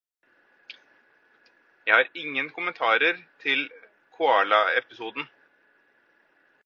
Jeg har ingen kommentarer til koala-episoden.